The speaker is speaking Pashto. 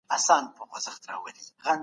د نرمغالي مابينځ کي مي خپلي غونډې تنظیم کړې.